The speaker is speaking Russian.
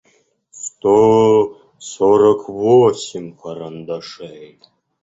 сто сорок восемь карандашей